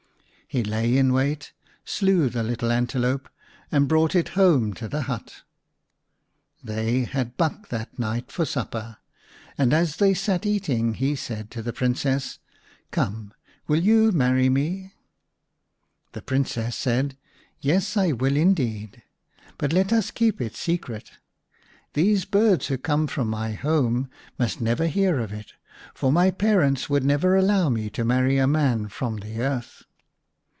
He lay in wait, slew the little antelope, and brought it home to the hut. They had buck that night for supper, and as they sat eating he said to the Princess, " Come, will you marry me ?" The Princess said, " Yes, I will indeed. But let us keep it secret. These birds who come from my home must never hear of it, for my parents would never allow me to marry a man from the earth."